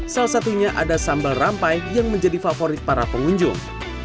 salah satunya ada sambal rampai yang menjadi favorit para pengunjung